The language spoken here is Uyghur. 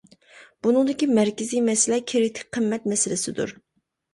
بۇنىڭدىكى مەركىزىي مەسىلە كىرىتىك قىممەت مەسىلىسىدۇر.